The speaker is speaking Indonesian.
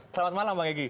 selamat malam bang egy